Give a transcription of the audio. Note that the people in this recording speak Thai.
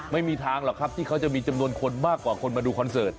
ไม่มีทางหรอกครับที่เขาจะมีจำนวนคนมากกว่าคนมาดูคอนเสิร์ต